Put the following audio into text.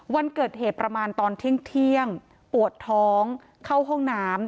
วันเกิดเหตุประมาณตอนเที่ยงปวดท้องเข้าห้องน้ำ